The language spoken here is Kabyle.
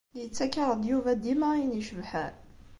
Yettaɣ-ak-d Yuba dima ayen icebḥen?